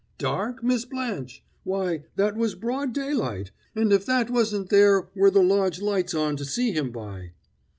"Dark, Miss Blanche? Why, that was broad daylight, and if that wasn't there were the lodge lights on to see him by!"